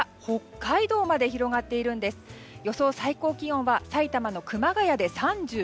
最高気温は埼玉の熊谷で３９度。